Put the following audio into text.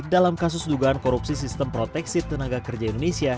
dalam kasus dugaan korupsi sistem proteksi tenaga kerja indonesia